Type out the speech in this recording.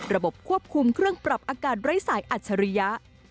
ระบบควบคุมเครื่องปรับอากาศไร้สายอัจฉริยะ